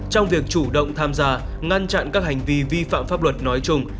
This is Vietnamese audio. trong việc chủ động tham gia ngăn chặn các hành vi vi phạm pháp luật nói chung